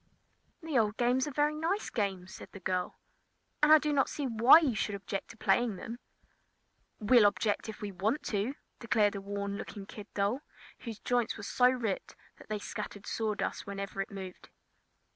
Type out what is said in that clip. "The old games are very nice games," said the girl, "and I do not see why you should object to playing them." "We'll object if we want to!" declared a worn looking kid doll, whose joints were so ripped that they scattered sawdust whenever it moved.